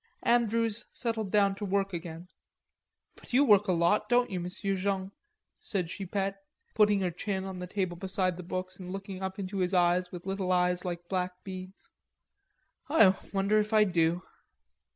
Andrews settled down to work again. "But you work a lot a lot, don't you; M'sieu Jean?" said Chipette, putting her chin on the table beside the books and looking up into his eyes with little eyes like black beads. "I wonder if I do."